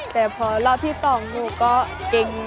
แต่พอรอบที่๒หนูก็เก่ง